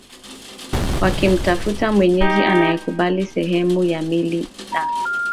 wakimtafuta mwenyeji anayekubali sehemu ya mali na